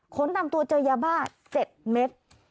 ตามตัวเจอยาบ้า๗เม็ด